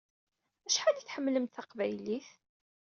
Acḥal i tḥemmlemt taqbaylit?